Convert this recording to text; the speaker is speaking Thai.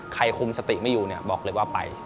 ใครคุมสติไม่อยู่บอกเลยว่าไป